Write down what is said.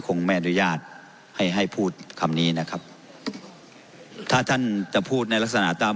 คงไม่อนุญาตให้ให้พูดคำนี้นะครับถ้าท่านจะพูดในลักษณะตาม